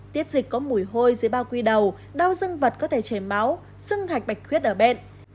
tiết dịch có mùi hôi dưới ba quy đầu đau dương vật có thể chảy máu dưng hạch bạch khuyết ở bên